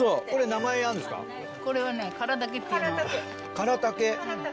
カラタケ。